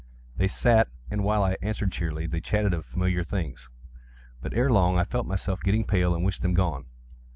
They sat, and while I answered cheerily, they chatted of familiar things. But, ere long, I felt myself getting pale and wished them gone.